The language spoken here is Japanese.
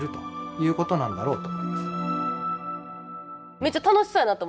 めっちゃ楽しそうやなと思いました。